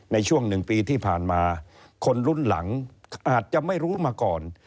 ในช่วงหนึ่งปีที่ผ่านมาคนรุ่นหลังอาจจะไม่รู้มาก่อน